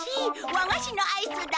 和菓子のアイスだ。